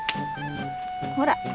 ほら！